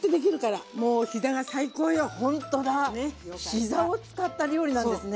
膝を使った料理なんですね。